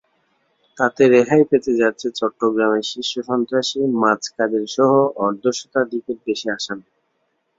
তাতে রেহাই পেতে যাচ্ছে চট্টগ্রামের শীর্ষ সন্ত্রাসী মাছ কাদেরসহ অর্ধশতাধিকের বেশি আসামি।